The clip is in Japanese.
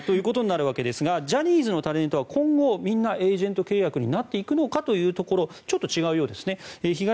ジャニーズのタレントは今後みんなエージェント契約になっていくのかというところちょっと違うようですね。